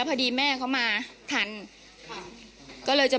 คุณผู้ชมฟังเสียงผู้หญิง๖ขวบโดนนะคะ